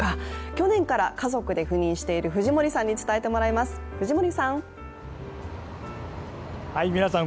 去年から家族で赴任している藤森さんに伝えてもらいます、藤森さん！